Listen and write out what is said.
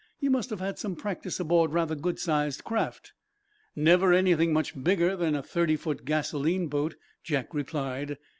You must have had some practice aboard rather goodsized craft?" "Never anything much bigger than a thirty foot gasoline boat," Jack replied.